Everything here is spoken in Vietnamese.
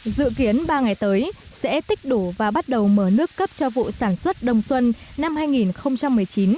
dự kiến ba ngày tới sẽ tích đủ và bắt đầu mở nước cấp cho vụ sản xuất đồng xuân năm hai nghìn một mươi chín hai nghìn hai mươi